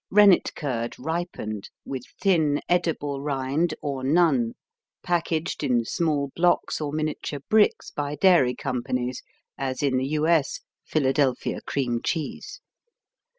Rennet curd ripened, with thin, edible rind, or none, packaged in small blocks or miniature bricks by dairy companies, as in the U.S. Philadelphia Cream cheese.